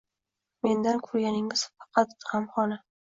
Mendan kurganingiz faqat gamhona